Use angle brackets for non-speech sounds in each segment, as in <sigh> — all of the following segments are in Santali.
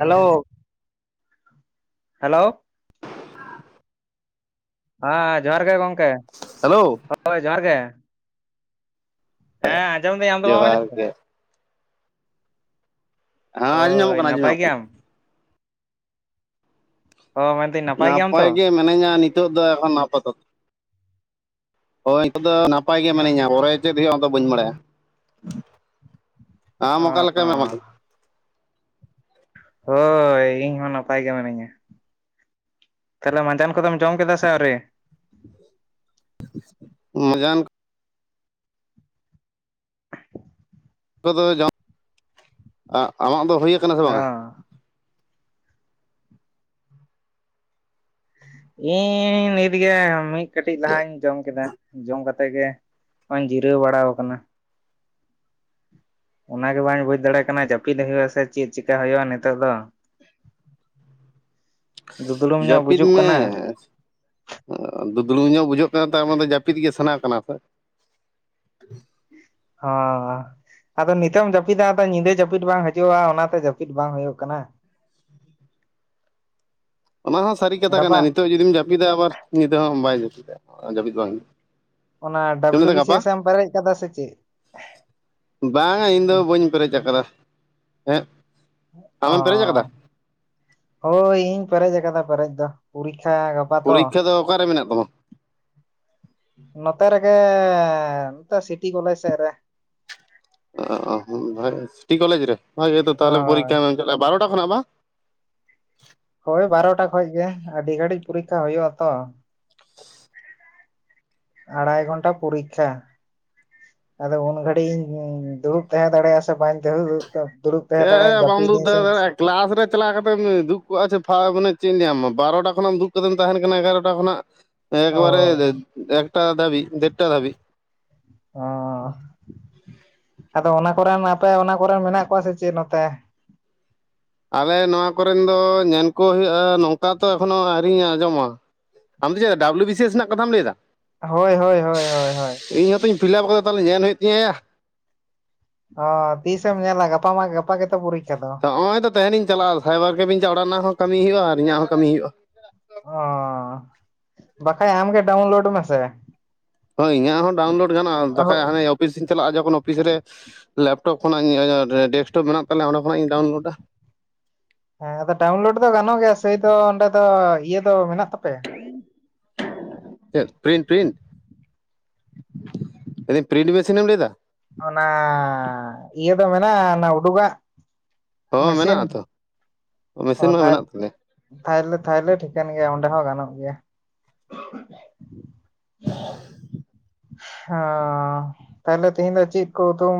ᱦᱮᱞᱳ ᱦᱮᱞᱳ ᱦᱮᱸ ᱡᱚᱦᱟᱨ ᱜᱮ ᱜᱚᱢᱠᱮ ᱦᱮᱞᱳ ᱦᱳᱭ ᱡᱚᱦᱟᱨ ᱜᱮ ᱦᱮᱸ ᱟᱸᱡᱚᱢᱫᱟᱹᱧ ᱟᱢ ᱫᱚ ᱵᱟᱢ ᱟᱸᱡᱚᱢ ᱡᱚᱦᱟᱨ ᱫᱚ ᱜᱮ ᱦᱮᱸ ᱟᱡᱚᱢ ᱧᱟᱢᱚᱜ ᱦᱳᱭ ᱠᱟᱱᱟ ᱟᱡᱚᱢ ᱱᱟᱯᱟᱭ ᱧᱟᱢᱚᱜ ᱠᱟᱱᱟ ᱜᱮᱭᱟᱢ ᱚ ᱢᱮᱱᱫᱟᱹᱧ ᱜᱮᱭᱟᱢ ᱛᱚ ᱱᱟᱯᱟᱭ ᱜᱮ ᱢᱤᱱᱟᱹᱧᱟ ᱱᱤᱛᱚᱜ ᱫᱚ ᱮᱠᱷᱚᱱ ᱱᱟᱯᱛ ᱦᱳᱭ ᱱᱤᱛᱚᱜ ᱫᱚ ᱱᱟᱯᱟᱭ ᱜᱮ ᱢᱤᱱᱟᱹᱧᱟ ᱯᱚᱨᱮ ᱪᱮᱫ ᱦᱩᱭᱩᱜᱼᱟ ᱚᱱᱟ ᱫᱚ ᱵᱟᱹᱧ ᱵᱟᱲᱟᱭᱟ ᱟᱢ ᱚᱠᱟ ᱚ ᱞᱮᱠᱟᱢ ᱮᱢ ᱦᱳᱭ ᱤᱧ ᱦᱚᱸ ᱱᱟᱯᱟᱭ ᱜᱮ ᱢᱤᱱᱟᱹᱧᱟ ᱛᱟᱦᱞᱮ ᱢᱟᱸᱡᱟᱱ ᱠᱚᱫᱢ ᱡᱚᱢ ᱠᱮᱫᱟ ᱥᱮ ᱟᱹᱣᱮ ᱢᱟᱡᱟᱱ ᱢᱟᱡᱟᱱ ᱠᱚᱫᱚ ᱡ ᱟᱢᱟᱜ ᱫᱚ ᱦᱩᱭ ᱠᱟᱱᱟ ᱥᱮ ᱚ ᱵᱟᱝᱟ <inaudible> ᱤᱧ ᱱᱤᱛᱜᱮ ᱢᱤᱫ ᱠᱟᱹᱴᱤᱡ ᱞᱟᱦᱟᱧ ᱡᱚᱢ ᱠᱮᱫᱟ ᱡᱚᱢ ᱠᱟᱛᱮ ᱛᱮᱜᱮ ᱦᱚᱧ ᱡᱤᱨᱟᱹᱣ ᱵᱟᱲᱟ ᱠᱟᱱᱟ ᱚᱱᱟᱜᱮ ᱵᱟᱹᱧ ᱵᱩᱡᱽ ᱫᱟᱲᱮᱭᱟᱜ ᱠᱟᱱᱟ ᱡᱟᱹᱯᱤᱫ ᱦᱩᱭᱩᱜ ᱟᱥᱮ ᱪᱮᱫ ᱪᱮᱠᱟ ᱦᱩᱭᱩᱜᱼᱟ ᱱᱤᱛᱚᱜ ᱫᱚ <inaudible> ᱫᱩᱫᱽᱲᱩᱢ ᱧᱚᱜ ᱡᱟᱯᱤᱫ ᱵᱩᱡᱩᱜ ᱢᱮ ᱠᱟᱱᱟ ᱵᱩᱞᱩᱝ ᱧᱚᱜ ᱵᱩᱡᱷᱟᱹᱜ ᱠᱟᱱᱟ ᱛ ᱡᱟᱹᱯᱤᱫ ᱜᱮ ᱥᱟᱱᱟ ᱠᱟᱱᱟ ᱥᱮ ᱚ ᱟᱫᱚ ᱱᱤᱛᱚᱜ ᱮᱢ ᱡᱟᱹᱯᱤᱫᱟ ᱟᱫᱚ ᱧᱤᱫᱟᱹ ᱡᱟᱹᱯᱤᱫ ᱵᱟᱝ ᱦᱤᱡᱩᱜᱼᱟ ᱚᱱᱟᱛᱮ ᱡᱟᱹᱯᱤᱫ ᱵᱟᱝ ᱦᱩᱭᱩᱜ ᱠᱟᱱᱟ ᱦᱩᱸ <inaudible> ᱚᱱᱟ ᱦᱚᱸ ᱥᱟᱹᱨᱤ ᱠᱟᱛᱷᱟ ᱜᱟᱯᱟ ᱠᱟᱱᱟ ᱱᱤᱛᱚᱜ ᱡᱩᱫᱤᱢ ᱡᱟᱹᱯᱤᱫᱟ ᱟᱵᱟᱨ ᱱᱤᱛᱟᱹ ᱦᱚᱸ ᱵᱟᱭ ᱡᱟᱹᱯᱤᱫᱟ ᱡᱟᱹᱯᱤᱫ ᱵᱟᱝ ᱚᱱᱟ ᱪᱮᱫ ᱮᱢ ᱰᱟᱵᱞᱩ ᱞᱟᱹᱭᱫᱟ ᱵᱤ ᱥᱤ ᱜᱟᱯᱟ ᱮᱥᱮ ᱮᱢ ᱯᱮᱨᱮᱡ ᱠᱟᱫᱟ ᱥᱮ ᱪᱮᱫ ᱵᱟᱝᱟ ᱤᱧᱫᱚ ᱵᱟᱹᱧ ᱯᱮᱨᱮᱡ ᱟᱠᱟᱫᱟ ᱦᱮᱸ ᱚ ᱟᱢᱮᱢ ᱯᱮᱨᱮᱡ ᱟᱠᱟᱫᱟ ᱦᱳᱭ ᱤᱧ ᱯᱮᱨᱮᱡ ᱟᱠᱟᱫᱟ ᱯᱮᱨᱮᱡ ᱫᱚ ᱯᱩᱨᱤ ᱯᱚᱨᱤᱠᱠᱷᱟ ᱫᱚ ᱚᱠᱟᱨᱮ ᱢᱮᱱᱟᱜ ᱛᱟᱢᱟ ᱱᱚᱛᱮ ᱨᱮᱜᱮ ᱱᱚᱛ ᱥᱤᱴᱤ ᱠᱚᱞᱮᱡᱽ ᱥᱮᱫ ᱨᱮ ᱴᱤ ᱠᱚᱞᱮᱡ ᱨᱮ ᱵᱷ ᱜᱮ ᱛᱟᱦᱚᱞᱮ ᱦᱳᱭ᱾ ᱯᱚᱨᱤᱠᱠᱷᱟᱟᱢ ᱮᱢ ᱪᱟᱞᱼᱟ ᱵᱟᱨᱚᱴᱟ ᱠᱷᱚᱱᱟᱜ ᱵᱟᱝ ᱠᱟ ᱦᱩᱭᱩᱜᱼᱟ ᱛᱚ ᱟᱲᱟᱭ ᱜᱷᱚᱱᱴᱟ ᱯᱚᱨᱤᱠᱠᱷᱟ ᱟᱫᱚ ᱩᱱ ᱜᱷᱟᱹᱲᱤᱡ ᱤᱧ ᱫᱩᱲᱩᱵ ᱛᱟᱦᱮᱸ ᱫᱟᱲᱮᱭᱟᱜᱼᱟ ᱥᱮ ᱵᱟᱹᱧ ᱫᱩᱲᱩᱵ ᱛᱟᱦᱮᱸ ᱫᱟᱲᱮᱭᱟᱜᱼᱟ ᱪᱮᱫ ᱫᱩᱠ ᱡᱟᱹᱯᱤᱫᱟᱹᱧ ᱥᱮ ᱫᱟᱲᱮ ᱫᱟᱲᱮᱭᱟᱜᱼᱟ ᱠᱮᱞᱟᱥ ᱨᱮ ᱪᱟᱞᱟᱣ ᱠᱟᱛᱮ ᱫᱩᱠ ᱠᱚᱜᱼᱟᱮ ᱪᱮᱫ ᱤᱧ ᱧᱟᱢ ᱵᱟᱨᱚᱴᱟ ᱠᱷᱚᱱᱟᱜᱢ ᱫᱩᱠ ᱠᱟᱛᱮᱢ ᱛᱟᱦᱮᱱ ᱠᱟᱱᱟ ᱮᱜᱟᱨᱚᱴᱟ ᱠᱷᱚᱱᱟᱜ ᱮᱠᱵᱟᱨᱮ ᱦᱳᱭ ᱮᱠᱴᱟ ᱫᱷᱟᱵᱤᱡ ᱫᱮᱲᱴᱟ ᱫᱷᱟᱵᱤᱡ ᱚ ᱟᱫᱚ ᱚᱱᱟ ᱠᱚᱨᱮᱱ ᱟᱯᱮ ᱚᱱᱟ ᱠᱚᱨᱮᱱ ᱢᱮᱱᱟᱜ ᱠᱚᱣᱟ ᱥᱮ ᱪᱮᱫ ᱱᱚᱛᱮ ᱟᱞᱮ ᱱᱚᱣᱟ ᱠᱚᱨᱮᱱ ᱫᱚ ᱧᱮᱞ ᱠᱚ ᱦᱩᱭᱩᱜᱼᱟ ᱱᱚᱝᱠᱟ ᱛᱚ ᱮᱠᱷᱚᱱᱳ ᱟᱹᱨᱤᱧ ᱟᱸᱡᱚᱢᱟ ᱟᱢ ᱫᱚ ᱪᱮᱫ ᱰᱟᱵᱞᱩ ᱵᱤ ᱮᱥ ᱨᱮᱱᱟᱜ ᱠᱟᱛᱷᱟᱢ ᱞᱟᱹᱭᱮᱫᱟ ᱦᱳᱭ ᱦᱳᱭ ᱦᱳᱭ ᱦᱳᱭ ᱦᱚᱸᱛᱚᱧ ᱯᱷᱤᱞᱟᱯ ᱠᱟᱛᱮ ᱛᱟᱦᱚᱞᱮ ᱧᱮᱞ ᱦᱩᱭᱩᱜ ᱛᱤᱧᱟᱹᱭᱟ ᱚ ᱛᱤᱥᱮᱢ ᱧᱮᱞᱟ ᱜᱟᱯᱟ ᱢᱟ ᱜᱟᱯᱟ ᱜᱮᱛᱚ ᱯᱩᱨᱤᱠᱷᱟ ᱚ ᱱᱚᱜᱼᱚᱭ ᱛᱚ ᱛᱟᱦᱮᱱᱤᱧ ᱪᱟᱞᱟᱜᱼᱟ ᱥᱟᱭᱵᱟᱨ ᱠᱮᱵᱤᱱ ᱪᱟᱟᱜ ᱨᱮᱱᱟᱜ ᱦᱚᱸ ᱠᱟᱹᱢᱤ ᱦᱩᱭᱩᱜᱼᱟ ᱟᱨ ᱤᱧᱟᱹᱜ ᱦᱚᱸ ᱠᱟᱹᱢᱤ ᱦᱩᱭᱩᱜᱼᱟ᱾ ᱠᱷᱟᱭ ᱟᱢ ᱜᱮ ᱰᱟᱣᱩᱱᱞᱳᱰ ᱢᱮ ᱥᱮ ᱦᱳᱭ ᱤᱧᱟᱹᱜ ᱦᱚᱸ ᱰᱟᱣᱩᱱᱞᱳᱰ ᱜᱟᱱᱚᱜᱼᱟ ᱵᱟᱠᱷᱟᱱᱡ ᱦᱟᱱᱮ ᱦᱮᱸ ᱚᱯᱷᱤᱥᱤᱧ ᱪᱟᱞᱟᱜᱼᱟ ᱡᱚᱠᱷᱚᱱ ᱚᱯᱷᱤᱥ ᱨᱮ ᱞᱮᱼᱼ ᱞᱮᱯᱴᱚᱯ ᱠᱷᱚᱱᱟᱜ ᱤ ᱰᱮᱠᱴᱚᱯ ᱢᱮᱱᱟᱜ ᱛᱟᱞᱮᱭᱟ ᱚᱸ ᱠᱷᱚᱱᱟᱜ ᱤᱧ ᱰᱟᱣᱩᱱᱞᱳᱰᱟ ᱦᱮᱸ ᱟᱫᱚ ᱰᱟᱣᱩᱱᱞᱳᱰ ᱫᱚ ᱜᱟᱱᱚᱜ ᱜᱮᱭᱟ ᱥᱮᱭ ᱫᱚ ᱚᱸᱰᱮ ᱫᱚ ᱤᱭᱟᱹ ᱫᱚ ᱢᱮᱱᱟᱜ ᱛᱟᱯᱮᱭᱟ᱾ <unintelligible> ᱢᱮᱱᱫᱤᱧ ᱯᱨᱤᱱᱴ ᱢᱤᱥᱤᱱ ᱮᱢ ᱞᱟᱹᱭᱫᱟ ᱚᱱᱟ ᱤᱭᱟᱹᱫᱚ ᱢᱮᱱᱟ ᱩᱰᱩᱠᱟ᱾ ᱦᱚᱸᱮ ᱢᱮᱱᱟᱜᱼᱟ ᱟᱛᱚ᱾ ᱚ ᱛᱟᱦᱞᱮ ᱛᱟᱦᱞᱮ ᱛᱟᱦᱚᱞᱮ ᱴᱷᱤᱠᱟᱹᱱ ᱜᱮᱭᱟ ᱚᱸᱰᱮ ᱦᱚᱸ ᱜᱟᱱᱚᱜ ᱜᱮ ᱜᱮᱭᱟ <inaudible> ᱚ ᱛᱟᱦᱞᱮ ᱛᱮᱤᱦᱤᱧ ᱫᱚ ᱪᱮᱫ ᱠᱚ ᱩᱛᱩᱢ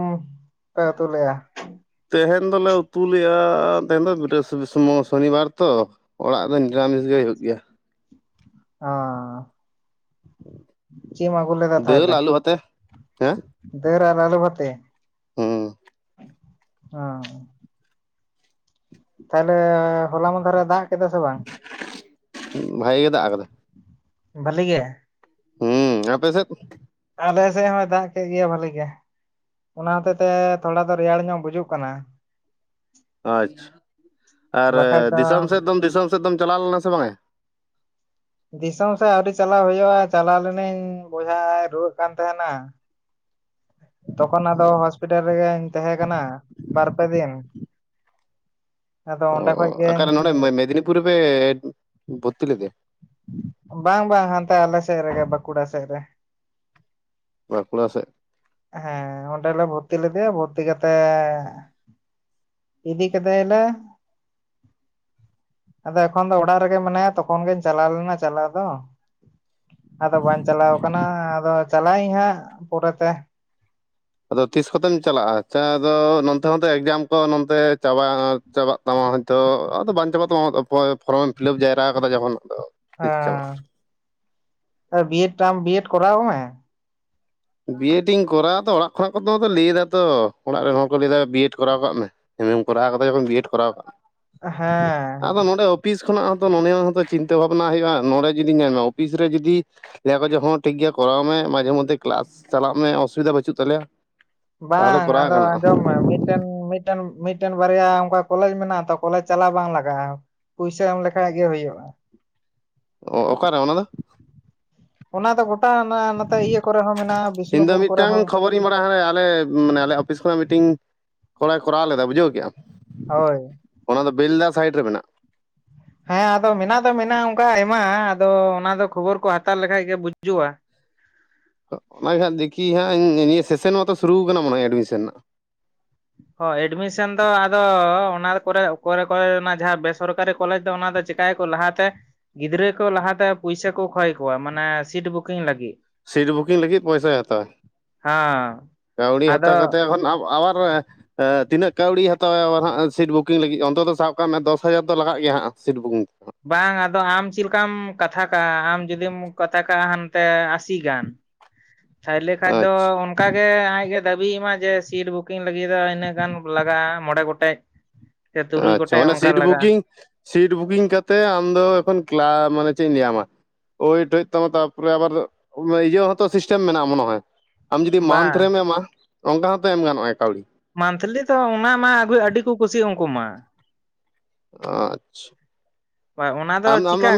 ᱯᱮ ᱩᱛᱩ ᱞᱮᱫᱼᱟ? ᱛᱮᱦᱮᱧ ᱫᱚᱞᱮ ᱩᱛᱩᱮᱜᱼᱟ ᱛᱮᱦᱮ ᱫᱚ ᱥᱚᱱᱤᱵᱟᱨ ᱛᱚ ᱚᱲᱟᱜ ᱫᱚ ᱱᱤᱨᱟᱢᱤᱥ ᱜᱮ ᱦᱩᱭᱩᱜ ᱜᱮᱭᱟ ᱚᱸ ᱪᱤᱫ ᱮᱢ ᱟᱜᱩ ᱞᱮᱫᱟ ᱫᱟᱹᱞ ᱛᱟᱦᱚᱞᱮ ᱟᱹᱞᱩ ᱟᱛᱮ ᱦᱮᱸ ᱫᱟᱹᱞ ᱟᱨ ᱟᱞᱩ ᱵᱷᱟᱛᱮ ᱦᱩᱸ ᱚᱸ ᱛᱟᱦᱞᱮ ᱦᱚᱞᱟ ᱢᱫᱷᱟᱨᱮ ᱫᱟᱜ ᱠᱮᱫᱟ ᱥᱮ ᱵᱟᱝ? ᱵᱷᱟᱜᱤ ᱜᱮ ᱫᱟᱜ ᱠᱟᱫᱟ᱾ ᱵᱷᱟᱹᱞᱤ ᱜᱮ ᱦᱩᱸ ᱟᱯᱮ ᱥᱮᱫ? ᱟᱞᱮ ᱥᱮᱫ ᱦᱚᱸᱭ ᱫᱟᱜ ᱠᱮᱫ ᱜᱮᱭᱟ ᱵᱷᱟᱹᱞᱤᱜ ᱜᱮ ᱚᱱᱟ ᱦᱚᱛᱮ ᱛᱮ ᱛᱷᱚᱲᱟ ᱫᱚ ᱨᱮᱭᱟᱲ ᱧᱚᱜ ᱵᱩᱡᱩᱜ ᱠᱟᱱᱟ᱾ ᱟᱪᱪᱷᱟ ᱟᱨ ᱵᱟᱠᱷᱟᱡ ᱫᱚ ᱫᱤᱥᱚᱢ ᱥᱮᱫ ᱫᱚᱢ ᱫᱤᱥᱚᱢ ᱥᱮᱫ ᱫᱚᱢ ᱪᱟᱞᱟᱣ ᱞᱮᱱᱟ ᱥᱮ ᱵᱟᱝᱟ? ᱫᱤᱥᱚᱢ ᱥᱮᱫ ᱟᱹᱣᱨᱤ ᱪᱟᱞᱟᱣ ᱦᱩᱭᱩᱜᱼᱟ ᱪᱟᱞᱟᱣ ᱞᱮᱤᱱᱟᱹᱧ ᱵᱚᱭᱦᱟ ᱨᱩᱣᱟᱹᱜ ᱠᱟᱱ ᱛᱟᱦᱮᱸᱱᱟ᱾ <inaudible> ᱛᱚᱠᱷᱚᱱ ᱟᱫᱚ ᱦᱚᱥᱯᱤᱴᱟᱞ ᱨᱮᱜᱮᱧ ᱛᱟᱦᱮᱸ ᱠᱟᱱᱟ ᱵᱟᱨᱯᱮ ᱫᱤᱱ᱾ <inaudible> ᱟᱫᱚ ᱚ ᱚᱸᱰᱮ ᱠᱷᱚᱡ ᱜᱤᱧ ᱟᱨᱠᱟᱨᱮ ᱱᱚᱰᱮ ᱢᱮᱫᱽᱱᱤᱯᱩᱨ ᱨᱮᱯᱮ ᱵᱷᱚᱨᱛᱤ ᱞᱮᱫᱮᱭᱟ ᱵᱟᱝ ᱵᱟᱝ ᱦᱟᱱᱛᱮ ᱟᱞᱮ ᱥᱮᱡ ᱨᱮ ᱜᱟ ᱵᱟᱠᱩᱲᱟ ᱥᱮᱟᱭᱨᱮ᱾ ᱵᱟᱠᱩᱲᱟ ᱥᱮᱜ ᱦᱮᱸ ᱚᱸᱰᱮᱞᱮ ᱵᱷᱚᱨᱛᱤ ᱞᱮᱫᱮᱭᱟ ᱵᱷᱚᱨᱛᱤ ᱠᱟᱛᱮᱜ ᱤᱫᱤ ᱠᱟᱫᱮᱭᱟᱞᱮ ᱟᱫᱚ ᱮᱠᱷᱚᱱ ᱫᱚ ᱚᱲᱟᱜ ᱨᱮᱜᱮ ᱢᱮᱱᱟᱭᱟ ᱛᱚᱠᱷᱚᱱ ᱜᱤᱧ ᱪᱟᱞᱟᱣ ᱞᱮᱱᱟ ᱪᱟᱞᱟᱣ ᱫᱚ᱾ ᱟᱫᱚ ᱵᱟᱹᱧ ᱪᱟᱞᱟᱣ ᱠᱟᱱᱟ ᱟᱫᱚ ᱪᱟᱞᱟᱜ ᱟᱹᱧ ᱦᱟᱸᱜ ᱯᱚᱨᱮᱛᱮ᱾ ᱟᱫᱚ ᱛᱤᱥ ᱠᱚᱛᱮᱢ ᱪᱟᱞᱟᱜᱼᱟᱫᱚ ᱱᱚᱛᱮ ᱦᱚᱸᱛᱚ ᱮᱠᱡᱟᱢ ᱠᱚ ᱪᱟᱵᱟᱜ ᱛᱟᱢᱟ ᱦᱚᱭᱛᱳ ᱟᱫᱚ ᱵᱟᱝ ᱪᱟᱵᱟᱟᱜ ᱛᱟᱢᱟ ᱯᱷᱚᱨᱚᱢᱮ ᱯᱷᱤᱞᱟᱯ ᱡᱟᱣᱨᱟ ᱠᱟᱫᱟ ᱡᱚᱠᱷᱚᱱ ᱟᱫᱚ ᱱᱤᱥ ᱪᱟᱵᱟ ᱟ ᱵᱤ ᱮᱰ ᱴᱟ ᱵᱤ ᱮᱰ ᱠᱚᱟᱣ ᱢᱮ ᱵᱤᱭᱮᱰᱤᱧ ᱠᱚᱨᱟᱣᱟ ᱟᱛᱚ ᱚᱲᱟᱜ ᱠᱷᱚᱱᱟᱜ ᱠᱚᱫᱚ ᱞᱟᱹᱭ ᱫᱟᱛᱚ ᱚᱲᱟᱜ ᱨᱮᱱ ᱦᱚᱲ ᱠᱚ ᱞᱟᱹᱭᱟ ᱵᱤᱮᱰ ᱠᱚᱨᱟᱣ ᱠᱟᱜ ᱢᱮ᱾ ᱮᱢ ᱮ ᱠᱚᱨᱟᱣ ᱠᱟᱛᱮ ᱡᱚᱠᱷᱚᱱ ᱵᱤᱭᱮᱰ ᱠᱚᱨᱟᱣ ᱠᱟᱜ ᱦᱮᱸ ᱟᱫᱚ ᱱᱚᱰᱮ ᱚᱯᱷᱤᱥ ᱠᱷᱚᱱᱟᱜ ᱦᱚᱸᱛᱚ ᱱᱚᱮ ᱦᱚᱸᱛᱚ ᱪᱤᱱᱼᱼ ᱵᱷᱟᱵᱱᱟ ᱦᱳᱭᱳᱼᱟ ᱱᱚᱰᱮ ᱡᱩᱫᱤ ᱧᱮᱞ ᱢᱮ ᱚᱯᱷᱤᱥ ᱨᱮ ᱡᱩᱫᱤ ᱞᱚᱡᱚᱜ ᱦᱚᱸ ᱴᱷᱤᱠ ᱜᱮᱭᱟ ᱠᱚᱟᱣ ᱢᱮ ᱢᱟᱡᱷᱮ ᱢᱚᱫᱫᱷᱮ ᱠᱮᱞᱟᱥ ᱪᱟᱞᱟᱜ ᱢᱮ ᱚᱥᱩᱵᱤᱫᱟ ᱵᱟᱹᱪᱩᱜ ᱛᱟᱞᱮᱭᱟ᱾ ᱛᱟᱦᱚᱞᱮ ᱵᱟᱝ ᱠᱚᱨᱟᱣ ᱟᱫᱚ ᱜᱟᱱᱚᱜᱼᱟ ᱟᱸᱡᱚᱢ ᱢᱮ ᱢᱤᱫᱴᱮᱱ ᱢᱤᱫᱴᱮᱱ ᱢᱤᱫᱴᱮᱱ ᱵᱟᱨᱭᱟ ᱚᱱᱠᱟ ᱠᱚᱞᱮᱡᱽ ᱢᱮᱱᱟᱜᱼᱟ ᱛᱚ ᱠᱚᱞᱮᱡᱽ ᱪᱟᱞᱟᱣ ᱵᱟᱝ ᱞᱟᱜᱟᱜᱼᱟ᱾ ᱯᱚᱭᱥᱟ ᱮᱢ ᱞᱮᱠᱷᱟᱡ ᱜᱮ ᱦᱩᱭᱩᱜᱼᱟ᱾ ᱚ ᱚᱠᱟᱨᱮ ᱚᱱᱟ ᱫᱚ? ᱚᱱᱟ ᱫᱚ <unintelligible> ᱱᱚᱛᱮ ᱤᱭᱟᱹ ᱠᱚᱨᱮ ᱦᱚᱸ ᱢᱮᱱᱟᱜᱼᱟ ᱤᱧ ᱫᱚ ᱵᱤᱥᱱᱩᱯᱩᱨ ᱠᱚᱨᱮ ᱢᱤᱫᱴᱟᱝ ᱦᱚᱸ ᱠᱷᱚᱵᱚᱨᱤᱧ ᱵᱟᱲᱟᱭᱟ ᱦᱟᱱᱮ ᱟᱞᱮ ᱢᱟᱱᱮ ᱟᱞᱮ ᱚᱯᱷᱤᱥ ᱠᱷᱚᱱᱟᱜ ᱢᱤᱴᱤᱝ ᱠᱚᱲᱟᱭ ᱠᱚᱨᱟᱣ ᱞᱮᱫᱟ ᱵᱩᱡᱷᱟᱹᱣ ᱠᱮᱼᱟ ᱦᱳᱭ ᱵᱮᱞᱫᱟ ᱥᱟᱭᱤᱰ ᱨᱮ ᱢᱮᱱᱟᱜ ᱦᱮᱸ ᱟᱫᱚ ᱢᱮᱱᱟᱜ ᱫᱚ ᱢᱮᱱᱟᱜᱼᱟ ᱚᱱᱠᱟ ᱟᱭᱢᱟ ᱟᱫᱚ ᱚᱱᱟ ᱫᱚ ᱠᱷᱚᱵᱚᱨ ᱠᱚ ᱦᱟᱛᱟᱣ ᱞᱮᱠᱷᱟᱡ ᱜᱮ ᱵᱩᱡᱩᱜᱼᱟ ᱚᱱᱟᱜᱮ ᱦᱟᱸᱜ ᱫᱤᱠᱤ ᱦᱟᱸᱜ ᱱᱤᱭᱟᱹ ᱥᱮᱥᱚᱱ ᱢᱟᱛᱚ ᱥᱩᱨᱩ ᱠᱟᱱᱟ ᱮᱰᱢᱤᱥᱚᱱ ᱨᱮᱱᱟᱜ ᱮᱰᱢᱤᱥᱚᱱ ᱫᱚ ᱟᱫᱚ ᱚᱱᱟ ᱠᱚᱨᱮ ᱠᱚᱨᱮ ᱠᱚᱨᱮ ᱨᱮᱱᱟᱜ ᱡᱟᱦᱟᱸ ᱵᱮᱥᱚᱨᱠᱟᱨᱤ ᱠᱚᱞᱮᱡᱽ ᱫᱚ ᱚᱱᱟ ᱪᱤᱠᱟᱭᱟᱠᱚ ᱞᱟᱦᱟᱛᱮ ᱜᱤᱫᱽᱨᱟᱹ ᱠᱚ ᱞᱟᱦᱟᱛᱮ ᱯᱩᱭᱥᱟᱹ ᱠᱚ ᱠᱷᱚᱭ ᱠᱚᱣᱟ ᱢᱟᱱᱮ ᱥᱤᱴ ᱵᱩᱠᱤᱝ ᱞᱟᱹᱜᱤᱫ ᱥᱤᱴ ᱵᱩᱠᱤᱝ ᱞᱟᱹᱜᱤᱫ ᱯᱚᱭᱥᱟᱭ ᱦᱟᱛᱟᱣᱟ ᱦᱮᱸ ᱠᱟᱹᱣᱲᱤ ᱦᱟᱛᱟᱣ ᱟᱫᱚ ᱠᱟᱛᱮ ᱦᱚᱸ ᱟᱵᱟᱨ ᱛᱤᱱᱟᱹᱜ ᱠᱟᱹᱣᱰᱤ ᱦᱟᱟᱣᱣᱟᱵ ᱦᱜ ᱥᱤᱴ ᱵᱩᱠᱤᱝ ᱞᱟᱹᱜᱤᱫ ᱚᱱᱛ ᱫᱚ ᱥᱟᱵ ᱠᱟᱜ ᱢᱮ ᱫᱚᱥ ᱦᱟᱡᱟᱨ ᱫᱚ ᱞᱟᱜ ᱜᱮᱭᱟ ᱦᱟᱸᱜ ᱥᱤᱴ ᱵᱩᱠᱤᱝ ᱵᱟᱝ ᱟᱫᱚ ᱟᱢ ᱪᱮᱫ ᱞᱮᱠᱟᱢ ᱠᱟᱛᱷᱟ ᱠᱟᱜᱼᱟ ᱟᱢ ᱡᱩᱫᱤᱢ ᱠᱟᱛᱷᱟ ᱠᱟᱜᱼᱟ ᱦᱟᱱᱛᱮ ᱟᱥᱤ ᱜᱟᱱ ᱛᱷᱟᱭᱞᱮ ᱠᱷᱟᱱᱡ ᱫᱚ ᱟᱪᱪᱷᱟ ᱚᱱᱠᱟ ᱜᱮ ᱟᱡ ᱮ ᱫᱟᱹᱵᱤᱭ ᱢᱟ ᱡᱮ ᱥᱤᱴ ᱵᱩᱠᱤᱝ ᱞᱟᱹᱜᱤᱫ ᱫᱚ ᱤᱱᱟᱹᱜ ᱜᱟᱱ ᱞᱟᱜᱟᱜᱼᱟ ᱢᱚᱬᱮ ᱜᱚᱴᱮᱡ ᱥᱮ ᱛᱩᱨᱩᱭ ᱟᱪᱷᱟ ᱜᱚᱴᱮᱡ ᱚᱱᱮ ᱚᱱᱠᱟ ᱥᱤᱴ ᱞᱟᱜᱟᱜᱼᱟ ᱵᱩᱠᱤᱝ ᱥᱤᱴ ᱵᱩᱠᱤᱝ ᱠᱟᱛᱮᱮᱫ ᱟᱢ ᱫᱚ ᱮᱠᱷᱚᱱ ᱠᱞᱟ ᱢᱟᱱᱮ ᱪᱮᱫ ᱤᱧ ᱞᱟᱹᱭᱟᱢᱟ ᱳᱭᱴ ᱦᱩᱭᱩᱜ ᱛᱟᱢᱟ ᱛᱟᱨᱯᱚᱨᱮ ᱟᱵᱟᱨ ᱤᱭᱟᱹ ᱦᱚᱸᱛᱚ ᱥᱤᱥᱴᱮᱢ ᱢᱮᱱᱟᱜᱼᱟ ᱢᱚᱱᱮ ᱦᱚᱭ ᱟᱢ ᱡᱩᱫᱤ ᱢᱟᱱᱛᱷ ᱵᱟᱝ ᱨᱮᱢ ᱮᱢᱟ ᱚᱱᱠᱟ ᱦᱚᱸᱛᱚ ᱮᱢ ᱜᱟᱱᱚᱜᱼᱟ ᱠᱟᱹᱣᱰᱤ ᱢᱟᱱᱛᱷᱞᱤ ᱛᱚ ᱚᱱᱟ ᱢᱟ ᱟᱹᱜᱩᱭ ᱟᱹᱰᱤ ᱠᱚ ᱠᱩᱥᱤᱭᱟᱜᱼᱟ ᱩᱱᱠᱩ ᱢᱟ ᱟᱪᱷᱟ ᱚᱱᱟ ᱫᱚ ᱪᱤᱠᱟᱹ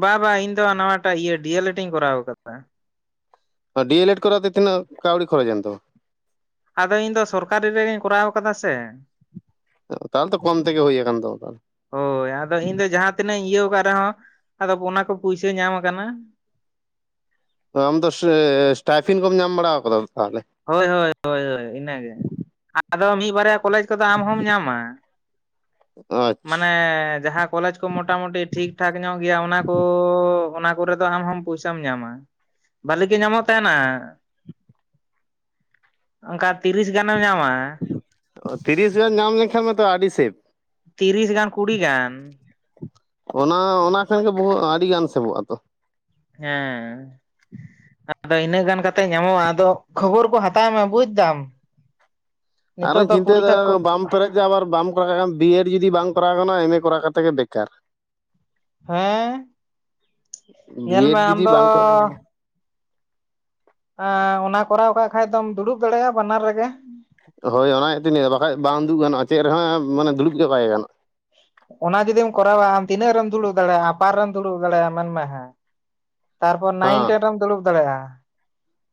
ᱵᱟᱵᱟ ᱤᱧ ᱫᱚ ᱱᱟᱣᱟᱴᱟᱜ ᱤᱭᱟᱹ ᱰᱤᱹᱮᱞᱹᱮᱰ ᱤᱧ ᱠᱚᱨᱟᱣ ᱟᱠᱟᱫ ᱛᱟᱦᱮᱫ ᱰᱤ ᱮᱞ ᱮᱰ ᱠᱚᱨᱟᱣ ᱛᱮ ᱛᱤᱱᱟᱹᱜ ᱠᱟᱣᱰᱤ ᱠᱷᱨᱚᱪ ᱮᱱ ᱛᱟᱢᱟ ᱟᱫᱚ ᱤᱧ ᱫᱚ ᱥᱚᱨᱠᱟᱨᱤ ᱨᱮᱜᱤᱧ ᱠᱚᱨᱟᱣ ᱠᱟᱫᱟ ᱥᱮ ᱛᱟᱦᱚᱞᱮ ᱛᱚ ᱠᱚᱢ ᱛᱮᱜᱮ ᱦᱩᱭ ᱟᱠᱟᱱ ᱛᱟᱢᱟ ᱛᱟᱦᱚᱞᱮ ᱦᱳᱭ ᱟᱫᱚ ᱤᱧ ᱫᱚ ᱡᱟᱦᱟᱸ ᱛᱤᱱᱟᱹᱜ ᱤᱭᱟᱹ ᱨᱮᱦᱚᱸ ᱟᱫᱚ ᱚᱱᱟ ᱠᱚ ᱯᱩᱭᱥᱟᱹ ᱧᱟᱢ ᱠᱟᱱᱟ ᱟᱢ ᱫᱚ ᱥᱴᱟᱭᱯᱷᱤᱱ ᱠᱚᱢ ᱧᱟᱢ ᱵᱟᱲᱟ ᱟᱠᱟᱫᱟ ᱛᱟᱦᱚᱞᱮ ᱦᱳᱭ ᱦᱳᱭ ᱦᱳᱭ ᱤᱱᱟᱹᱜᱮ ᱟᱫᱚ ᱢᱤᱫ ᱵᱟᱨᱭᱟ ᱠᱚᱞᱮᱡᱽ ᱠᱚᱫᱚ ᱟᱢ ᱦᱚᱢ ᱧᱟᱢᱟ ᱢᱟᱱᱮ ᱟᱪᱪᱷᱟ ᱡᱟᱦᱟᱸ ᱠᱚᱞᱮᱡᱽ ᱠᱚ ᱢᱚᱴᱟᱢᱩᱴᱤ ᱴᱷᱤᱠᱴᱷᱟᱠ ᱧᱚᱜ ᱜᱮᱭᱟ ᱚᱱᱟᱠᱚ ᱚᱱᱟ ᱠᱚᱨᱮ ᱫᱚ ᱟᱢ ᱦᱚᱢ ᱯᱚᱭᱥᱟᱢ ᱧᱟᱢᱟ ᱵᱷᱟᱹᱞᱤ ᱜᱮ ᱧᱟᱢᱚᱜ ᱛᱟᱦᱮᱱᱟ ᱚᱱᱠᱟ ᱛᱤᱨᱤᱥ ᱜᱟᱱᱮᱢ ᱧᱟᱢᱟ ᱛᱤᱨᱤᱥ ᱦᱟᱡᱟᱨ ᱧᱟᱢ ᱞᱮᱱᱠᱷᱟᱱ ᱢᱟᱛᱚ ᱟᱹᱰᱤ ᱥᱮᱵᱷ ᱛᱤᱨᱤᱥ ᱜᱟᱱ ᱠᱩᱲᱤ ᱜᱟᱱ ᱚᱱᱟ ᱚᱱᱟ ᱴᱷᱮᱱ ᱜᱮ ᱟᱹᱰᱤ ᱜᱟᱱ ᱥᱮᱵᱚᱜ ᱟᱛᱚ ᱦᱮᱸ ᱟᱫᱚ ᱤᱱᱟᱹᱜ ᱜᱟᱱ ᱠᱟᱛᱮᱮᱫ ᱧᱟᱢᱚᱜᱼᱟ ᱟᱫᱚ ᱠᱷᱚᱵᱚᱨ ᱠᱚ ᱦᱟᱛᱟᱣ ᱢᱮ ᱵᱩᱡᱽ ᱫᱟᱢ ᱱᱤᱛᱚᱜ ᱟᱨᱚᱧ ᱫᱚ ᱪᱤᱱᱛᱟᱹᱭ ᱫᱟ ᱯᱚᱨᱤᱠᱷᱟ ᱠᱚ ᱵᱟᱢ ᱯᱮᱨᱮᱡ ᱫ ᱟᱵᱟᱨ ᱵᱟᱢ ᱠᱚᱨᱟᱣ ᱵᱤᱭᱮᱰ ᱡᱩᱫᱤ ᱵᱟᱝᱢ ᱠᱚᱨᱟᱣ ᱠᱟᱱᱟ ᱮᱢᱮ ᱠᱚᱨᱟᱣ ᱠᱟᱛᱮ ᱜᱮ ᱵᱮᱠᱟᱨ ᱦᱮᱸ ᱧᱮᱞ ᱵᱤᱭᱮᱰ ᱢᱮ ᱟᱢ ᱡᱩᱫᱤ ᱫᱚ ᱵᱟᱝ ᱠᱚ ᱚᱱᱟ ᱠᱚᱨᱟᱣ ᱠᱟᱜ ᱠᱷᱟᱡ ᱫᱚᱢ ᱫᱩᱲᱩᱵ ᱫᱟᱲᱮᱭᱟᱜᱼᱟ ᱵᱟᱱᱟᱨ ᱨᱮᱜᱮ ᱦᱳᱭ ᱚᱱᱟ ᱜᱮᱛᱚᱧ ᱞᱟᱹᱭᱫᱟ ᱵᱟᱠᱷᱟᱡ ᱵᱟᱝ ᱫᱩᱜ ᱜᱟᱱᱚᱜᱼᱟ ᱪᱮᱫ ᱨᱮᱦᱚᱸ ᱢᱟᱱᱮ ᱫᱩᱲᱩᱵ ᱜᱮ ᱵᱟᱹᱭ ᱜᱟᱱᱚᱜ-ᱟ ᱚᱱᱟ ᱡᱩᱫᱤᱢ ᱠᱚᱨᱟᱣᱟ ᱟᱢ ᱛᱤᱱᱟᱹᱜᱢ ᱫᱩᱲᱩᱵ ᱫᱟᱲᱮᱭᱟᱜᱼᱟ ᱟᱯᱟᱨ ᱨᱮᱢ ᱫᱩᱲᱩᱵ ᱫᱟᱲᱮᱭᱟᱜᱼᱟ ᱢᱮᱱᱢ ᱦᱮᱸ ᱛᱟᱨᱯᱚᱨ ᱱᱟᱭᱤᱱ ᱦᱮᱸ ᱴᱮᱱ ᱨᱮᱢ ᱫᱩᱲᱩᱵ ᱫᱟᱲᱮᱭᱟᱜᱼᱟ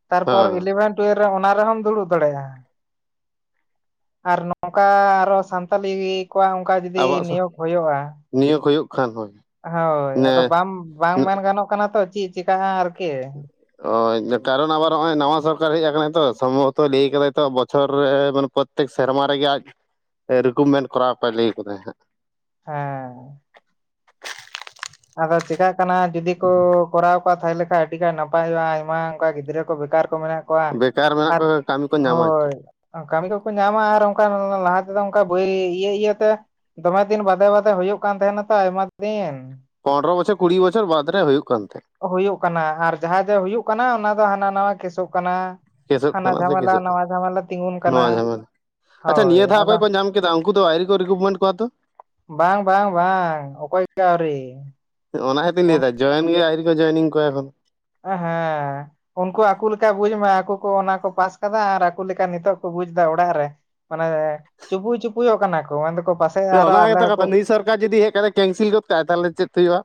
ᱛᱟᱨᱯᱚᱨ ᱦᱮᱸ ᱤᱞᱮᱵᱷᱮᱱ ᱴᱩᱭᱮᱞ ᱨᱮ ᱚᱱᱟ ᱨᱮᱦᱚᱢ ᱫᱩᱲᱩᱵ ᱫᱟᱲᱮᱭᱟᱜᱼᱟ ᱟᱨ ᱱᱚᱝᱠᱟ ᱟᱨᱚ ᱥᱟᱱᱛᱟᱞᱤ ᱠᱚᱣᱟ ᱚᱱᱠᱟ ᱡᱩᱫᱤ ᱟᱵᱚᱣᱟᱜ ᱥᱟ ᱱᱤᱭᱳᱜᱽ ᱦᱩᱭᱩᱜᱼᱟ ᱱᱤᱭᱟᱹ ᱠᱚ ᱦᱩᱭᱩᱜ ᱠᱷᱟᱱ ᱦᱳᱭ ᱦᱳᱭ ᱱᱮ ᱟᱫᱚ ᱵᱟᱝ ᱵᱟᱝ ᱢᱮᱱ ᱜᱟᱱᱚᱜ ᱠᱟᱱᱟ ᱛᱚ ᱪᱮᱫ ᱪᱤᱠᱟᱹᱜᱼᱟ ᱟᱨᱠᱤ ᱚ ᱠᱟᱨᱚᱱ ᱟᱵᱟᱨ ᱱᱚᱜᱼᱚᱭ ᱱᱟᱣᱟ ᱥᱚᱨᱠᱟᱨ ᱦᱮᱡ ᱟᱠᱟᱱᱟᱭ ᱛᱚ ᱥᱚᱢᱵᱷᱚᱵᱚᱛᱚ ᱞᱟᱹᱭ ᱠᱟᱫᱟᱭ ᱛᱚ ᱵᱚᱪᱷᱚᱨ ᱨᱮ ᱢᱟᱱᱮ ᱯᱨᱚᱛᱛᱮᱠ ᱥᱮᱨᱢᱟ ᱨᱮᱜᱮ ᱟᱡ ᱨᱤᱠᱩᱢᱮᱱ ᱠᱚᱨᱟᱣᱯᱟᱭ ᱞᱟᱹᱭ ᱟᱠᱟᱫᱟᱭ ᱦᱟᱸᱜ ᱦᱮᱸ ᱟᱫᱚ ᱪᱤᱠᱟᱹᱜ ᱠᱟᱱᱟ ᱡᱩᱫᱤ ᱠᱚ ᱠᱚᱨᱟᱣ ᱛᱟᱦᱮᱸ ᱞᱮᱠᱟᱱᱡ ᱟᱹᱰᱤᱜᱟᱱ ᱱᱟᱯᱟᱭᱚᱜᱼᱟ ᱟᱭᱢᱟ ᱚᱱᱠᱟ ᱜᱤᱫᱽᱨᱟᱹ ᱠᱚ ᱵᱮᱠᱟᱨ ᱢᱮᱱᱟᱜ ᱠᱚᱣᱟ ᱵᱮᱠᱟᱨ ᱢᱮᱱᱟᱜ ᱟᱨ ᱠᱚᱣᱟ ᱠᱟᱹᱢᱤ ᱠᱚ ᱧᱟᱢᱟ ᱦᱳᱭ ᱪᱮᱫ ᱠᱟᱹᱢᱤ ᱠᱚ ᱠᱚ ᱧᱟᱢᱟ ᱟᱨ ᱚᱱᱠᱟ ᱞᱟᱦᱟ ᱛᱮᱫᱚ ᱚᱱᱠᱟ ᱵᱟᱹᱭ ᱤᱭᱟᱹ ᱤᱭᱟᱹᱛᱮ ᱫᱚᱢᱮ ᱫᱤᱱ ᱵᱟᱫᱮ ᱵᱟᱫᱮ ᱦᱩᱭᱩᱜ ᱠᱟᱱ ᱛᱟᱦᱮᱱᱟ ᱛᱚ ᱟᱭᱢᱟ ᱫᱤᱱ ᱯᱚᱱᱨᱚ-ᱵᱚᱪᱷᱚᱨ ᱠᱩᱲᱤ ᱵᱚᱪᱷᱚᱨ ᱵᱟᱫᱽ ᱨᱮ ᱦᱩᱭᱩᱜ ᱠᱟᱱ ᱛᱟᱦᱮᱸᱫ ᱦᱩᱭᱩᱜ ᱠᱟᱱᱟ ᱟᱨ ᱡᱟᱦᱟᱸ ᱡᱮ ᱦᱩᱭᱩᱜ ᱠᱟᱱᱟ ᱚᱱᱟ ᱫᱚ ᱦᱟᱱᱟ ᱱᱟᱣᱟ ᱠᱮᱥᱚᱜ ᱠᱟᱱᱟ᱾ ᱠᱮᱥᱚᱜ ᱦᱟᱱᱟ ᱠᱟᱱᱟ ᱥᱮ ᱡᱷᱟᱢᱮᱞᱟ ᱠᱮᱥᱚᱜ ᱠᱟᱱᱟ ᱱᱟᱣᱟ ᱡᱷᱟᱢᱮᱞᱟ ᱛᱤᱜᱩᱱ ᱠᱟᱱᱟ, ᱱᱚᱣᱟ ᱡᱷᱟᱢᱮᱞᱟ ᱟᱪᱪᱷᱟ ᱦᱳᱭ ᱱᱤᱭᱟᱹ ᱫᱷᱟᱣ ᱟᱫᱚ ᱠᱷᱚᱱᱚᱡ ᱠᱚ ᱧᱟᱢ ᱠᱮᱫᱟ ᱩᱱᱠᱩ ᱫᱚ ᱟᱹᱣᱨᱤ ᱠᱚ ᱨᱤᱠᱨᱩᱴᱢᱮᱱᱴ ᱠᱚᱣᱟ ᱛᱚ? ᱵᱟᱝ, ᱵᱟᱝ, ᱵᱟᱝ! ᱚᱠᱚᱭ ᱜᱮ ᱟᱣᱨᱤ ᱞᱤᱧ ᱞᱟᱹᱭ ᱫᱟ ᱡᱚᱭᱮᱱ ᱜᱮ ᱟᱣᱨᱤ ᱠᱚ ᱡᱚᱭᱱᱤᱝ ᱠᱚᱣᱟ ᱮᱠᱷᱚᱱᱚ ᱚ ᱦᱮᱸᱻ ᱩᱱᱠᱩ ᱟᱠᱩ ᱞᱤᱠᱟ ᱵᱩᱡᱽ ᱢᱟ ᱟᱠᱩ ᱠᱚ ᱚᱱᱟ ᱠᱚ ᱯᱟᱥ ᱠᱟᱫᱟ ᱟᱨ ᱟᱠᱩ ᱞᱮᱠᱟ ᱱᱤᱛᱚᱜ ᱠᱩ ᱵᱩᱡᱽ ᱫᱟ ᱚᱲᱟᱜ ᱨᱮ ᱢᱟᱱᱮᱻ ᱪᱩᱯᱩᱭ ᱪᱩᱯᱩᱭᱚᱜ ᱠᱟᱱᱟ ᱠᱚ ᱢᱮᱱ ᱫᱟᱠ ᱛᱚ ᱚᱱᱟ ᱜᱮᱛᱚ ᱠᱟᱛᱷᱟ ᱱᱩᱭ ᱥᱟᱨᱠᱟᱨ ᱡᱩᱫᱤ ᱦᱮᱡ ᱠᱟᱛᱮ ᱠᱮᱱᱥᱤᱞ ᱜᱚᱫ ᱠᱟᱜᱼᱟᱭ ᱛᱟᱦᱚᱞᱮ ᱪᱮᱫ ᱦᱩᱭᱩᱜᱼᱟ᱾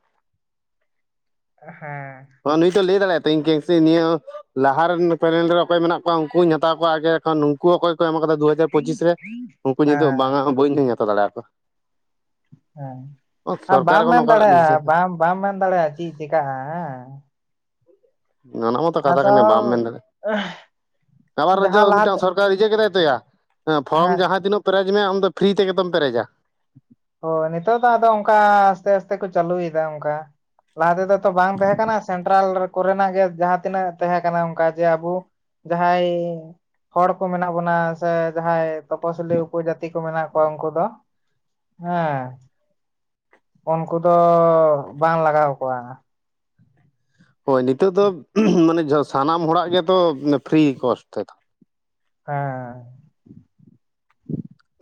ᱦᱮᱸ ᱚ ᱱᱩᱭ ᱛᱚ ᱞᱟᱹᱭ ᱫᱟᱲᱮᱭᱟᱜ ᱛᱮᱧ ᱠᱮᱭᱥᱤ ᱱᱤᱭᱟᱹ ᱦᱚᱸ ᱞᱟᱦᱟ ᱨᱮᱱ ᱯᱮᱱᱮᱞ‌ ᱨᱮᱫᱚ ᱚᱠᱚᱭ ᱢᱮᱱᱟᱜ ᱠᱚᱣᱟ ᱩᱱᱠᱩᱧ ᱦᱟᱛᱟᱣ ᱠᱚᱣᱟ ᱟᱜᱮ ᱠᱷᱚᱱ ᱱᱩᱝᱠᱩ ᱦᱚᱸ ᱚᱠᱚᱭ ᱠᱚ ᱮᱢ ᱢᱟ ᱠᱟᱫᱟ᱾ ᱫᱩ ᱦᱟᱡᱟᱨ ᱯᱚᱪᱤᱥ ᱨᱮ ᱩᱱᱠᱩ ᱧᱤᱛᱚᱜ ᱦᱮᱸ ᱵᱟᱝᱟ‌ ᱦᱚᱸ ᱵᱟᱹᱧ ᱦᱟᱛᱟᱣ ᱫᱟᱲᱮ ᱭᱟᱠᱚᱣᱟ᱾ ᱦᱮᱸ ᱟᱢ ᱵᱟᱢ ᱢᱮᱱ ᱚᱠᱟᱴᱟᱜ ᱰᱤᱥᱤᱥᱮᱱ ᱫᱟᱲᱮᱭᱟᱜᱼᱟ! ᱵᱟᱢᱼᱵᱟᱢ ᱢᱮᱱ ᱫᱟᱲᱮᱭᱟᱜᱼᱟ! ᱪᱤᱫ ᱪᱮᱠᱟᱜᱼᱟ ᱦᱮᱸᱻ ᱩᱸᱻ ᱚᱱᱟ ᱢᱟᱛᱚ ᱠᱟᱛᱷᱟ ᱠᱟᱱᱟ ᱵᱟᱢ ᱢᱮᱱ ᱫᱟᱲᱮᱜ ᱟᱵᱟᱨ ᱨᱮ ᱡᱚ ᱡᱟᱦᱟᱸ ᱢᱤᱫᱴᱟᱝ ᱞᱟᱦᱟᱛᱮ ᱥᱚᱨᱠᱟᱨ ᱨᱤᱡᱮ ᱠᱮᱫᱟᱭ ᱛᱚᱭᱟ ᱦᱮᱸ ᱯᱷᱚᱨᱚᱢ ᱡᱟᱦᱟᱸ ᱛᱤᱱᱟᱹᱜ ᱯᱮᱨᱮᱡᱽ ᱢᱮ ᱟᱢ ᱫᱚ ᱯᱷᱨᱤ ᱛᱮᱜᱮ‌ ᱛᱚᱢ ᱯᱮᱨᱮᱡᱟ᱾ ᱦᱚᱭ ᱱᱤᱛᱚᱜ ᱫᱚ ᱟᱫᱚ ᱚᱱᱠᱟ ᱟᱥᱛᱮ ᱟᱥᱛᱮ ᱠᱚ ᱪᱟᱞᱩ ᱭᱮᱫᱟ ᱚᱱᱠᱟ᱾ ᱞᱟᱦᱟ ᱛᱮᱫᱚ ᱛᱚ ᱵᱟᱝ ᱛᱮᱦᱮᱸ ᱠᱟᱱᱟ ᱥᱮᱱᱴᱨᱟᱞ ᱨᱮ ᱠᱚᱨᱮᱱᱟᱜ ᱜᱮ ᱡᱟᱦᱟᱸᱛᱤᱱᱟᱹᱜ ᱛᱮᱦᱮᱸ ᱠᱟᱱᱟ ᱚᱱᱠᱟ ᱡᱮ ᱟᱵᱩ ᱡᱟᱦᱟᱸᱭ ᱦᱚᱲ ᱠᱚ ᱢᱮᱱᱟᱜ ᱵᱚᱱᱟ ᱥᱮ ᱡᱟᱦᱟᱸᱭ ᱛᱚᱯᱚᱥᱤᱞᱤ ᱩᱯᱩᱡᱟᱛᱤ ᱠᱚ ᱢᱮᱱᱟᱜ ᱠᱚᱣᱟ ᱩᱱᱠᱩ ᱫᱚ ᱦᱮᱸᱻ ᱚᱱᱠᱩ ᱫᱚ ᱵᱟᱝ ᱞᱟᱜᱟᱣ ᱠᱚᱣᱟ᱾ ᱦᱳᱭ ᱱᱤᱛᱚᱜ ᱫᱚ ᱩᱦᱩᱢᱻ ᱢᱟᱱᱮ ᱡᱷᱚ ᱥᱟᱱᱟᱢ ᱦᱚᱲᱟᱜ ᱜᱮᱛᱚ ᱩᱢ ᱯᱷᱨᱤ ᱠᱚᱥ ᱛᱮᱛᱚ᱾ ᱦᱮᱸᱻ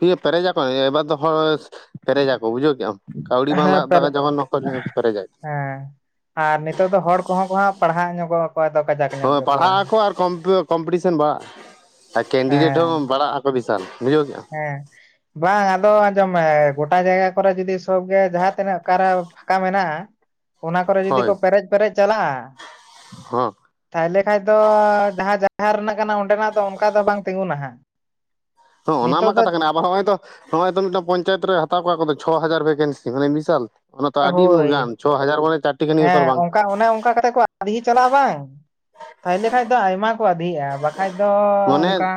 ᱤᱭᱟᱹ ᱯᱮᱨᱮᱡᱟᱠᱚ ᱮ ᱮᱵᱟᱨ ᱫᱚ ᱦᱚᱲ ᱚᱥ ᱯᱮᱨᱮᱡᱟᱠᱚ ᱵᱩᱡᱷᱟᱹᱣ ᱠᱮᱜᱼᱟᱢ᱾ ᱠᱟᱣᱰᱤ ᱵᱟᱝ ᱞᱟᱜ ᱫᱟ ᱡᱚᱢᱚᱱ ᱱᱚᱠᱚ ᱱᱚᱭ ᱯᱨᱮᱡᱟ ᱦᱮᱸᱻ ᱟᱨ ᱱᱤᱛᱚᱜ ᱫᱚ ᱦᱚᱲ ᱠᱚᱦᱚᱸ ᱠᱚ ᱦᱟᱸᱜ ᱯᱟᱲᱦᱟᱣ ᱧᱚᱜᱚᱜᱼᱠᱚ᱾ ᱦᱚᱭ ᱯᱟᱲᱦᱟᱜ ᱟᱠᱚ ᱟᱨ ᱠᱚᱢ ᱦᱮᱸᱻᱵᱟᱝ ᱟᱫᱚ ᱟᱡᱽᱢ ᱢᱮ ᱠᱟ ᱡᱟᱭᱜᱟ ᱠᱚᱨᱮ ᱡᱩᱫᱤ ᱥᱚᱵᱽ ᱜᱮ ᱡᱟᱦᱟᱸ ᱛᱤᱱᱟᱹᱜ ᱠᱟᱨᱟ ᱯᱷᱟᱠᱟ ᱢᱮᱱᱟᱜᱼᱟ᱾ ᱚᱱᱟ ᱠᱚᱨᱮ ᱡᱩᱫᱤ ᱠᱚ ᱦᱳᱭ ᱯᱮᱨᱮᱡ ᱯᱮᱨᱮᱡ ᱪᱟᱞᱟᱜᱼᱟ, ᱦᱚᱸ ᱛᱟᱦᱮᱞᱮ ᱠᱷᱟᱡ ᱫᱚ ᱡᱟᱦᱟᱸ ᱡᱟ ᱡᱟ ᱨᱮᱱᱟᱜ ᱠᱟᱱᱟ ᱚᱸᱰᱮᱱᱟᱜ ᱫᱚ ᱚᱱᱠᱟ ᱫᱚ ᱵᱟᱝ ᱛᱤᱸᱜᱩᱱᱟ ᱦᱟᱸᱜ᱾ ᱦᱚᱸ ᱚᱱᱟ ᱱᱤᱛᱚᱜ ᱢᱟ ᱫᱚ ᱠᱟᱛᱷᱟ ᱠᱟᱱᱟ ᱟᱵᱟᱨ ᱦᱚᱸᱜᱼᱚᱭ ᱛᱚ ᱦᱚᱸᱼᱚᱭ ᱛᱚ ᱢᱤᱫᱴᱟᱝ ᱯᱚᱧᱪᱟᱭᱮᱛ ᱨᱮ ᱦᱟᱛᱟᱣ ᱠᱚᱣᱟ ᱠᱚ ᱛᱚ ᱪᱷᱚ ᱦᱟᱡᱟᱨ ᱵᱷᱮᱠᱮᱱᱥᱤ ᱛᱮ ᱠᱷᱟᱱᱮ ᱢᱤᱥᱟᱞ ᱚ ᱦᱳᱭ ᱠᱷᱟᱱᱤ ᱵᱮᱯᱟᱨ ᱦᱮᱸᱻ ᱵᱟᱝ ᱚᱝᱠᱟ ᱠᱟᱱᱟ ᱚᱱᱟ ᱚᱝᱠᱟ ᱠᱟᱛᱮᱜ ᱠᱚ ᱟᱫᱷᱦᱤ ᱪᱟᱞᱟᱜᱼᱟ ᱵᱟᱝ᱾ ᱛᱟᱦᱮᱞᱮ ᱠᱷᱟᱡ ᱫᱚ ᱟᱭᱢᱟ ᱠᱚ ᱟᱫᱷᱤᱜᱼᱟ ᱵᱟᱠᱷᱟᱡ‌ ᱫᱚ ᱚᱱᱠᱟ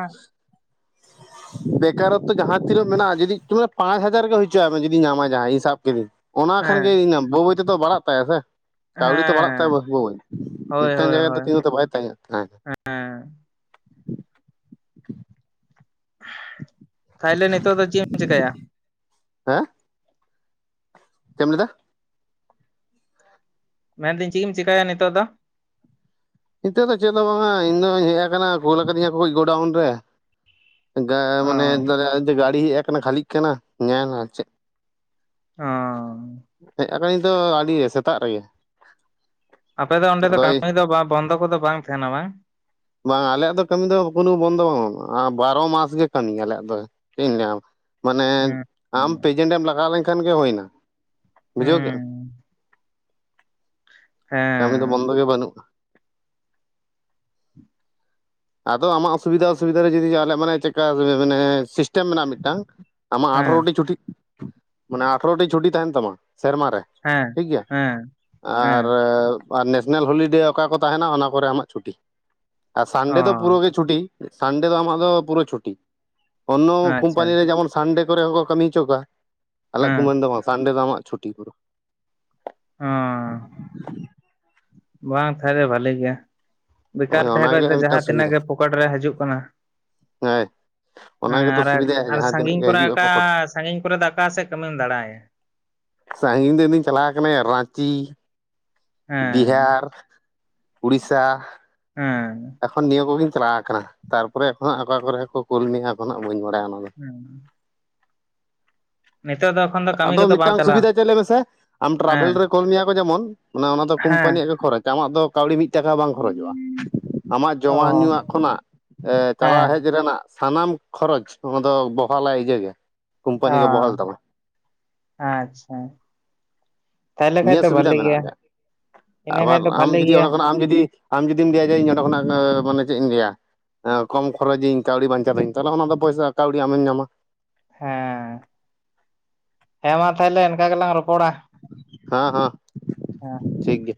<inaudible> ᱵᱮᱠᱟᱨ ᱚᱠᱛᱚ ᱡᱟᱦᱟᱸ ᱛᱤᱱᱟᱹᱜ ᱢᱮᱱᱟᱜᱼᱟ, ᱡᱩᱫᱤ ᱛᱚ ᱯᱟᱸᱪ ᱦᱟᱡᱟᱨ ᱜᱮ ᱦᱩᱭ ᱪᱩᱭᱟ ᱢᱮ ᱡᱩᱫᱤ ᱧᱟᱢᱟᱭ ᱡᱟᱦᱟᱸᱭ ᱤᱧ ᱥᱟᱵ ᱠᱤᱫᱤᱧ ᱚᱱᱟ ᱠᱷᱟᱱ ᱦᱮᱸ ᱜᱮ ᱤᱧᱟᱜ ᱵᱟᱹ ᱵᱟᱹᱭ ᱛᱮᱛᱚ ᱵᱟᱲᱟᱜ ᱛᱟᱭᱟ ᱥᱮ ᱠᱟᱣᱰᱤ ᱛᱚ ᱵᱟᱲᱟᱜ ᱛᱟᱭᱟ ᱵᱚ ᱦᱮᱸ ᱦᱚᱭ ᱦᱳᱭ ᱢᱤᱫᱴᱟᱝ ᱦᱳᱭ ᱡᱟᱭᱜᱟ ᱨᱮ ᱫᱚ ᱦᱳᱭ ᱛᱤᱝᱜᱩ ᱛᱮ ᱵᱟᱭ ᱛᱮᱦᱮᱸᱭᱟ ᱛᱟᱦᱮᱸᱱᱟ ᱦᱮᱸ ᱛᱟᱦᱮᱞᱮ ᱱᱤᱛᱚᱜ ᱫᱚ ᱪᱤᱜ ᱮᱢ ᱪᱮᱠᱟᱭᱟ? ᱦᱟᱸ! ᱪᱮᱜ ᱮᱢ ᱞᱟᱹᱭ ᱫᱟ? ᱢᱮᱱᱫᱤᱧ ᱪᱤᱜ ᱮᱢ ᱪᱮᱠᱟᱭᱟ ᱱᱤᱛᱚᱜ ᱫᱚ? ᱱᱤᱛᱚᱜ ᱫᱚ ᱪᱮᱫ ᱦᱚᱸ ᱵᱟᱝᱟ ᱤᱧ ᱫᱚᱧ ᱦᱮᱡ ᱟᱠᱟᱱᱟ ᱠᱩᱞ ᱞᱟᱠᱟ ᱫᱤᱧᱟ ᱠᱩ ᱜᱚᱰᱟᱣᱩᱱ ᱨᱮ᱾ ᱜᱟ ᱚ ᱢᱟᱱᱮ ᱫᱚ ᱚ ᱫᱚ ᱜᱟᱲᱤ ᱦᱮᱡ ᱟᱠᱟᱱᱟ ᱠᱷᱟᱞᱤᱜ ᱠᱟᱱᱟ, ᱧᱮᱞᱟ ᱪᱮᱜ ᱚ ᱦᱮᱸ ᱟᱫᱚ ᱧᱤᱛᱚᱜ ᱟᱰᱤ ᱥᱮᱛᱟᱜ ᱨᱮᱜᱮ ᱟᱯᱮ ᱫᱚ ᱚᱸᱰᱮ ᱫᱚ ᱟᱫᱚ ᱠᱟᱢᱤ ᱫᱚ ᱵᱟ ᱵᱚᱱᱫᱚ ᱠᱚᱫᱚ ᱵᱟᱝ ᱛᱮᱦᱮᱱᱟ ᱵᱟᱝ? ᱵᱟᱝ ᱟᱞᱮᱭᱟᱜ ᱫᱚ ᱠᱟᱹᱢᱤ ᱫᱚ ᱠᱚᱱᱩ ᱵᱚᱱᱫᱚ ᱵᱟᱝ ᱵᱟᱱᱩᱜᱼᱟ ᱵᱟᱨᱚ ᱢᱟᱥ ᱜᱮ ᱠᱟᱢᱤ ᱟᱞᱮᱭᱟᱜ ᱫᱚ ᱪᱮᱫ ᱤᱧ ᱞᱟᱹᱭᱟᱢᱟ ᱢᱟᱱᱮ ᱦᱩᱸ ᱟᱢ ᱦᱩᱸ ᱯᱮᱡᱮᱱᱴ ᱮᱢ ᱞᱟᱜᱟᱣ ᱞᱮᱱᱠᱷᱟᱱ ᱜᱮ ᱦᱚᱭ ᱱᱟ ᱦᱮᱸᱻ ᱠᱟᱢᱤ ᱫᱚ ᱵᱚᱱᱫᱚ ᱜᱮ ᱵᱟᱱᱩᱜᱼᱟ ᱟᱫᱚ ᱟᱢᱟᱜ ᱚᱥᱩᱵᱤᱫᱟ ᱥᱩᱵᱤᱫᱟ ᱨᱮ ᱡᱩᱫᱤ ᱟᱞᱮᱭᱟᱜ ᱚ ᱢᱟᱱᱮ ᱪᱮᱫᱠᱟ ᱮᱻ ᱢᱟᱱᱮ ᱥᱤᱥᱴᱮᱢ ᱢᱮᱱᱟᱜᱼᱟ ᱢᱤᱫᱴᱟᱝ ᱟᱢᱟᱜ ᱟᱴᱷᱟᱨᱚ ᱴᱤ ᱪᱷᱩᱴᱤᱜ ᱢᱟᱱᱮ ᱟᱴᱷᱟᱨᱚ ᱴᱤ ᱪᱷᱩᱴᱤ ᱛᱟᱦᱮᱱ ᱛᱟᱢᱟ ᱥᱮᱨᱢᱟ ᱨᱮ ᱦᱮᱸ ᱴᱷᱤᱠ ᱜᱮᱭᱟ ᱦᱮᱸ ᱟᱨ ᱦᱮᱸ ᱮᱸ <inaudible> ᱟᱨ ᱱᱮᱥᱱᱮᱞ ᱦᱚᱞᱤᱰᱮ ᱚᱠᱟ ᱠᱚ ᱛᱟᱦᱮᱱᱟ ᱚᱱᱟ ᱠᱚᱨᱮ ᱟᱢᱟᱜ ᱪᱷᱩᱴᱤ ᱟᱨ ᱚ ᱥᱟᱱᱰᱮ ᱫᱚ ᱯᱩᱨᱟᱹ ᱜᱮ ᱪᱷᱩᱴᱤ ᱥᱟᱱᱰᱮ ᱫᱚ ᱟᱢᱟᱜ ᱫᱚ ᱯᱩᱨᱟᱹ ᱪᱷᱩᱴᱤ ᱚᱱᱱᱚ ᱟᱪᱪᱷᱟ ᱠᱳᱢᱯᱟᱱᱤ ᱨᱮ ᱡᱮᱢᱚᱱ ᱥᱟᱱᱰᱮ ᱠᱚᱨᱮ ᱦᱚᱸᱠᱚ ᱠᱟᱹᱢᱤ ᱦᱚᱪᱚ ᱠᱚᱣᱟ ᱟᱞᱮᱟᱜ ᱦᱮᱸ ᱠᱩᱢᱟᱹᱱ ᱫᱚ ᱵᱟᱝ ᱥᱟᱱᱰᱮ ᱫᱚ ᱟᱢᱟᱜ ᱪᱷᱩᱴᱤ ᱯᱩᱨᱟᱹ <inaudible> ᱚ ᱵᱟᱝ ᱛᱟᱦᱮᱞᱮ ᱵᱷᱟᱞᱮ ᱜᱮᱭᱟ ᱵᱮᱠᱟᱨ ᱦᱳᱭ ᱛᱟᱦᱮᱸ ᱠᱷᱚᱡ ᱚᱱᱟᱜᱮ ᱫᱚ ᱢᱤᱫᱴᱟᱝ ᱡᱟᱦᱟᱸ ᱛᱤᱱᱟᱹᱜ ᱥᱩᱵᱤᱫᱷᱟ ᱜᱮ ᱯᱚᱠᱮᱴ ᱨᱮ ᱦᱤᱡᱩᱜ ᱠᱟᱱᱟ <unintelligible> ᱚᱱᱟ ᱦᱮᱸ ᱜᱮᱛᱚ ᱟᱨ ᱥᱩᱵᱤᱫᱷᱟᱭᱟ ᱟᱨ ᱡᱟᱦᱟᱸ ᱛᱤᱱᱟᱹᱜ ᱥᱟᱺᱜᱤᱧ ᱜᱮ ᱠᱚᱨᱮ ᱦᱤᱡᱩᱜᱼᱟ ᱟᱠᱟ ᱯᱚᱠᱚᱴ ᱥᱟᱺᱜᱤᱧ ᱠᱚᱨᱮ ᱫᱚ ᱟᱠᱟ ᱥᱮᱫ ᱠᱟᱹᱢᱤᱢ ᱫᱟᱲᱟᱭᱟ ᱥᱟᱺᱜᱤᱧ ᱤᱧ ᱫᱩᱧ ᱪᱟᱞᱟᱣ ᱠᱟᱱᱟᱭᱟ ᱨᱟᱸᱪᱤ ᱦᱮᱸ ᱵᱤᱦᱟᱨ ᱩᱲᱤᱥᱟ ᱦᱮᱸ ᱮᱠᱷᱚᱱ ᱱᱤᱭᱟᱹ ᱠᱚᱜᱮᱧ ᱪᱟᱞᱟᱣ ᱟᱠᱟᱱᱟ ᱛᱟᱨᱯᱚᱨᱮ ᱮᱠᱷᱚᱱᱚ ᱚᱠᱟ ᱠᱚᱨᱮ ᱦᱚᱸ ᱠᱚ ᱠᱳᱞ ᱱᱤᱜ-ᱟ ᱮᱠᱷᱚᱱ ᱦᱟᱸᱜ ᱵᱟᱹᱧ ᱵᱟᱰᱟᱭᱟ ᱦᱩᱸ ᱱᱮᱛᱟᱨ ᱫᱚ <inaudible> ᱟᱫᱚ ᱠᱚᱫᱚ ᱵᱟᱢ ᱢᱤᱫᱴᱟᱝ ᱪᱟᱞᱟᱜᱼᱟ ᱥᱩᱵᱤᱫᱷᱟ ᱪᱮᱫ ᱞᱮ ᱢᱮᱥᱮ ᱟᱢ ᱦᱮᱸ ᱴᱨᱟᱵᱷᱮᱞ ᱨᱮ ᱠᱳᱞ ᱢᱮᱭᱟ ᱠᱚ ᱡᱮᱢᱚᱱ ᱢᱟᱱᱮ ᱚᱱᱟ ᱫᱚ ᱦᱮᱸ ᱠᱳᱢᱯᱟᱱᱤᱭᱟᱜ ᱠᱷᱚᱨᱚᱪ ᱟᱢᱟᱜ ᱫᱚ ᱠᱟᱹᱣᱰᱤ ᱢᱤᱫ ᱴᱟᱠᱟ ᱵᱟᱝ ᱠᱷᱚᱨᱚᱪᱚᱜ-ᱟ ᱟᱢᱟᱜ ᱚ ᱡᱚᱢᱟᱜ ᱧᱩᱣᱟᱜ ᱠᱷᱚᱱᱟᱜ ᱮ ᱪᱟᱞᱟᱣ ᱦᱮᱸ ᱦᱮᱡ ᱨᱮᱱᱟᱜ ᱥᱟᱱᱟᱢ ᱠᱷᱚᱨᱚᱪ ᱱᱚᱣᱟ ᱫᱚ ᱵᱚᱦᱟᱞᱟ ᱤᱭᱟᱹ ᱜᱮ ᱠᱳᱢᱯᱟᱱᱤ ᱚ ᱜᱮ ᱵᱚᱦᱟᱞ ᱛᱟᱢᱟ ᱟᱪᱪᱷᱟ ᱛᱟᱦᱚᱞᱮ ᱠᱷᱟᱡ ᱱᱤᱭᱟᱹ ᱫᱚ ᱥᱩᱵᱤᱫᱷᱟ ᱵᱷᱟᱞᱮ ᱢᱮᱱᱟᱜ ᱜᱮᱭᱟ ᱟᱞᱮᱭᱟᱜ ᱤᱱᱟᱹ ᱟᱵᱟᱨ ᱠᱷᱟᱡ ᱫᱚ ᱟᱢ ᱵᱷᱟᱞᱮ ᱡᱩᱫᱤ ᱜᱮᱭᱟ ᱚᱸᱰᱮ ᱠᱷᱚᱱᱟᱜ ᱟᱢ ᱡᱩᱫᱤ ᱟᱢ ᱡᱩᱫᱤᱢ ᱞᱟᱹᱭᱟ ᱡᱮ ᱤᱧ ᱚᱸᱰᱮ ᱠᱷᱚᱱᱟᱜ ᱚᱸ ᱢᱟᱱᱮ ᱪᱮᱫ ᱤᱧ ᱞᱟᱹᱭᱟ ᱠᱚᱢ ᱠᱷᱚᱨᱚᱪᱤᱧ ᱠᱟᱹᱣᱰᱤ ᱵᱟᱧᱪᱟᱣᱟᱹᱧ ᱛᱟᱦᱞᱮ ᱚᱱᱟ ᱫᱚ ᱯᱚᱭᱥᱟ ᱠᱟᱹᱣᱰᱤ ᱟᱢᱮᱢ ᱧᱟᱢᱟ ᱦᱮᱸ ᱦᱮᱸ ᱢᱟ ᱛᱟᱦᱮᱞᱮ ᱤᱱᱠᱟᱹ ᱜᱮᱞᱟᱝ ᱨᱚᱯᱚᱲᱟ ᱦᱟᱸ ᱦᱟᱸ ᱦᱮᱸ ᱴᱷᱤᱠ ᱜᱮᱭᱟ